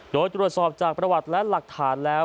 โดยตรวจสอบจากประวัติและหลักฐานแล้ว